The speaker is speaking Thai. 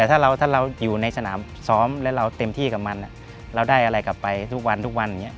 แต่ถ้าเราอยู่ในสนามซ้อมแล้วเราเต็มที่กับมันเราได้อะไรกลับไปทุกวันทุกวันอย่างนี้